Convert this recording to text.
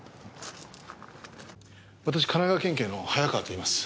私神奈川県警の早川といいます。